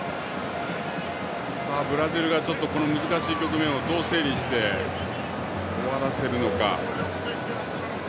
ブラジルがこの難しい局面をどう整理して、終わらせるのか。